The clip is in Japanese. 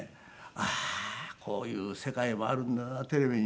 ああーこういう世界もあるんだなテレビにはってね。